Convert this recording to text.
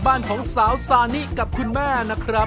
ทำไมต้องใช้น้ำที่แช่เห็ดนะครับ